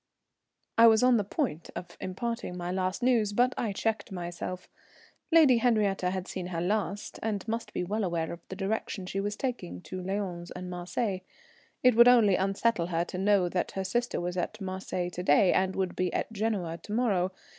I was on the point of imparting my last news, but I checked myself. Lady Henriette had seen her last, and must be well aware of the direction she was taking to Lyons and Marseilles. It would only unsettle her to know that her sister was at Marseilles to day, and would be at Genoa to morrow.